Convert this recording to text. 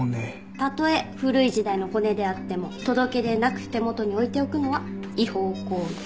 たとえ古い時代の骨であっても届け出なく手元に置いておくのは違法行為です。